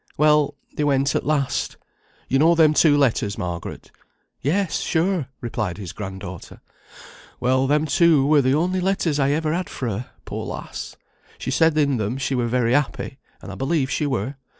Well, they went at last. You know them two letters, Margaret?" "Yes, sure," replied his grand daughter. "Well, them two were the only letters I ever had fra' her, poor lass. She said in them she were very happy, and I believe she were.